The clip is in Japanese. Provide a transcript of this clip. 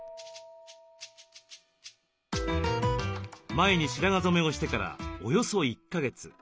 前に白髪染めをしてからおよそ１か月。